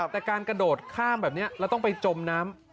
แต่การกระโดดข้ามแบบนี้แล้วต้องไปจมน้ำ